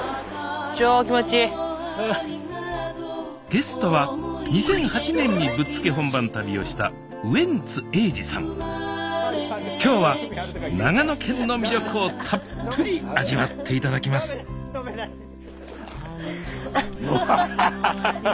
ゲストは２００８年にぶっつけ本番旅をした今日は長野県の魅力をたっぷり味わって頂きますアッハハ！